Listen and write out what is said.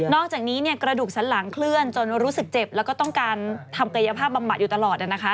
อกจากนี้กระดูกสันหลังเคลื่อนจนรู้สึกเจ็บแล้วก็ต้องการทำกายภาพบำบัดอยู่ตลอด